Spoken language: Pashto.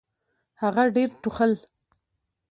هغه ډېر ټوخل .